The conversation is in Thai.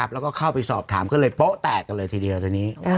แล้วก็เข้าไปสอบถามก็เลยโป๊ะแตกกันเลยทีเดียวทีนี้